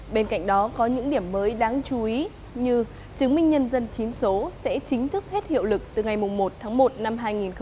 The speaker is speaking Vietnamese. bên cạnh đó có những điểm mới đáng chú ý như chứng minh nhân dân chín số sẽ chính thức hết hiệu lực từ ngày một tháng một năm hai nghìn hai mươi